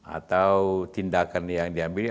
atau tindakan yang diambil